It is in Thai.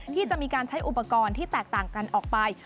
ที่จะมีการใช้อุปกรณ์ที่แตกต่างกันออกไป